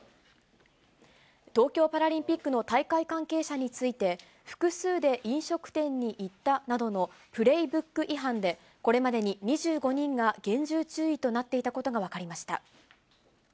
東京パラリンピックの大会関係者について、複数で飲食店に行ったなどのプレイブック違反で、これまでに２５人が厳重注意となっていたことが分かりました。